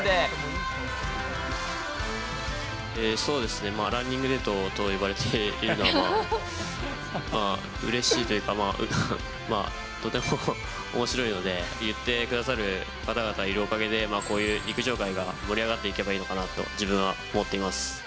そうですね、ランニングデートと呼ばれているのはうれしいというか、まあ、とてもおもしろいので、言ってくださる方々がいるおかげでこういう陸上界が盛り上がっていけばいいのかなと自分は思っています。